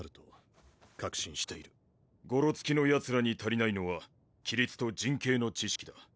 ゴロツキのヤツらに足りないのは規律と陣形の知識だ。